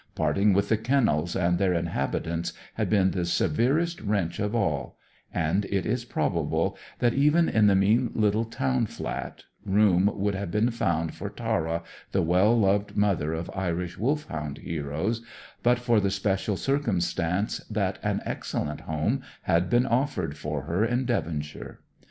Parting with the kennels and their inhabitants had been the severest wrench of all; and it is probable that, even in the mean little town flat, room would have been found for Tara, the well loved mother of Irish Wolfhound heroes, but for the special circumstance that an excellent home had been offered for her in Devonshire.